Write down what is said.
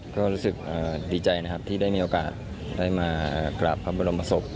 ก็รู้สึกดีใจนะครับที่ได้มีโอกาสได้มากราบพระบรมศพ